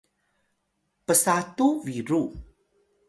psatu biru